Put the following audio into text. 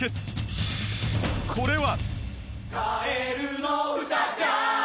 ［これは］